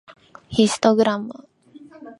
ヒストグラム